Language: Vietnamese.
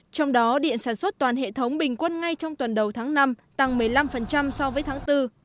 trong đó điện sản xuất toàn hệ thống bình quân ngay trong tuần đầu tháng năm tăng một mươi năm so với tháng bốn